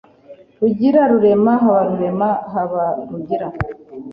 “Rugira, Rurema, Habarurema, Habarugira”;